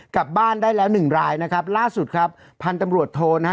กลับบ้านได้แล้วหนึ่งรายนะครับล่าสุดครับพันธุ์ตำรวจโทนะฮะ